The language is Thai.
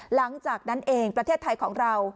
หลังจากนั้นเองประเทศไทยของเรา